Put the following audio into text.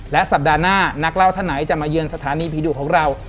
และสัปดาห์หน้านักเล่าท่านไหนจะมาเยือนสถานีผีดุของเรา